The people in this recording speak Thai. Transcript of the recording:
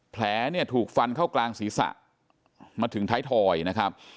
แผลเนี่ยถูกฟันเข้ากลางศีรษะมาถึงท้ายถอยนะครับ